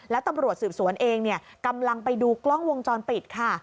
แล้วตำรวจสืบสวนเองกำลังไปดูกล้องวงจรปิดค่ะ